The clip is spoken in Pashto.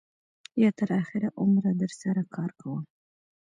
یا تر آخره عمره در سره کار کوم.